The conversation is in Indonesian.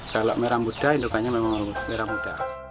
kalau merah muda indukannya memang merah muda